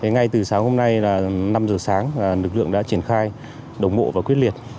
ngay từ sáng hôm nay là năm giờ sáng lực lượng đã triển khai đồng bộ và quyết liệt